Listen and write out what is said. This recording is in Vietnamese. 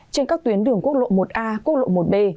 trên các tuyến đường quốc lộ một a quốc lộ một d